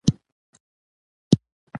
توتکۍ خبره راوړله پر شونډو